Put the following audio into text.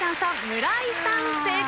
村井さん正解。